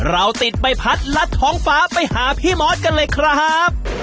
เราติดใบพัดลัดท้องฟ้าไปหาพี่มอสกันเลยครับ